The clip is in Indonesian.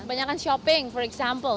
banyak kan shopping for example